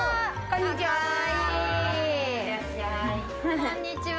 こんにちは。